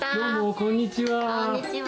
こんにちは。